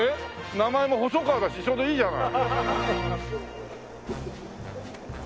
名前も細川だしちょうどいいじゃない。